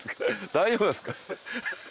大丈夫ですか？